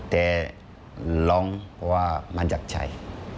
แต่ร้องเพราะว่ามันอยากใช้